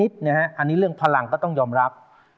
นิดนะครับอันนี้เรื่องพลังก็ต้องยอมรับ